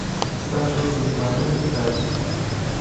ستاسو میلمانه راځي؟